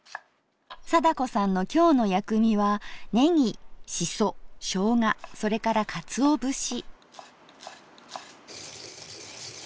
貞子さんの今日の薬味はねぎしそしょうがそれからかつお節。